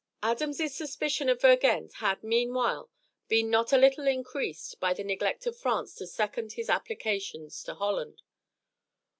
Adams' suspicion of Vergennes had, meanwhile, been not a little increased by the neglect of France to second his applications to Holland.